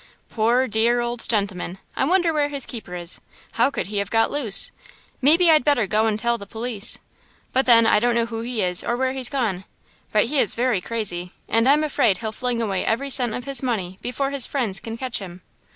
"Poor dear, old gentleman! I wonder where his keeper is? How could he have got loose? Maybe I'd better go and tell the police! But then I don't know who he is, or where he's gone! But he is very crazy, and I'm afraid he'll fling away every cent of his money before his friends can catch him.